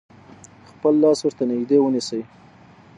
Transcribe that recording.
خپل لاس ورته نژدې ونیسئ.